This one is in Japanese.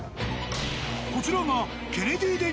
こちらが。